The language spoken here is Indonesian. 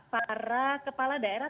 para kepala daerah